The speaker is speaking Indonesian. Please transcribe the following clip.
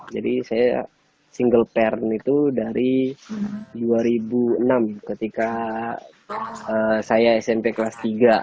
jadi saya single parent itu dari dua ribu enam ketika saya smp kelas tiga